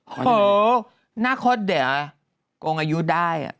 โหน่าควรเดี๋ยวโกงอายุได้อ่ะ